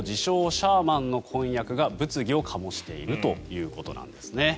・シャーマンの婚約が物議を醸しているということなんですね。